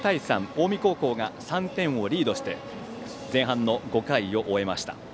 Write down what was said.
近江高校が３点をリードして前半の５回を終えました。